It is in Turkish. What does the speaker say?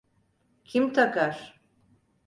Kim takar?